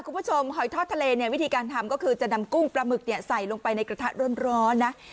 คุณผู้ชมหอยทอดทะเลเนี่ยวิธีการทำก็คือจะนำกุ้งประหมึกเนี่ยใส่ลงไปในกระทะร่อนนะ